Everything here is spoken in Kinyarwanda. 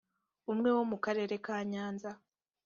umwe wo mu karere ka nyanza